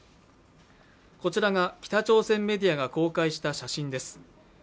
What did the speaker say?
こちらが北朝鮮メディアが公開した写真です